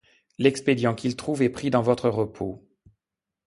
L’expédient qu’il trouve est pris dans votre repos.